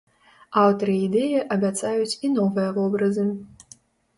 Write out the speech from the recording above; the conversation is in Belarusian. Аўтары ідэі абяцаюць і новыя вобразы.